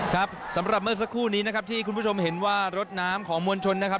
ครับสำหรับเมื่อสักครู่นี้นะครับที่คุณผู้ชมเห็นว่ารถน้ำของมวลชนนะครับ